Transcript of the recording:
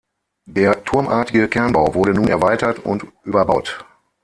Der turmartige Kernbau wurde nun erweitert und überbaut.